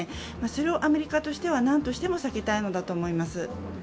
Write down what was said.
それをアメリカとしては、なんとしても避けたいんだと思います。